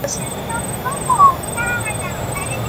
进气道可分为亚音速和超音速进气道。